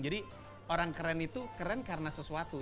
jadi orang keren itu keren karena sesuatu